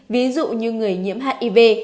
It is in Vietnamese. ví dụ như người nhiễm hiv